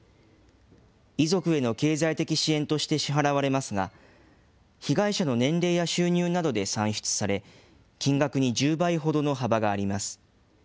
遺族への経済的支援として支払われますが、被害者の年齢や収入などで算出され、金額に１０倍ほどの幅があります。